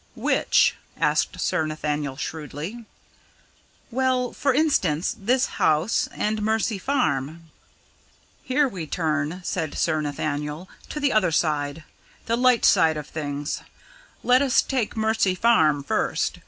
"Which?" asked Sir Nathaniel shrewdly. "Well, for instance, this house and Mercy Farm?" "Here we turn," said Sir Nathaniel, "to the other side, the light side of things. Let us take Mercy Farm first.